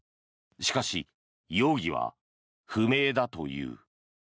しかし、容疑は不明だという。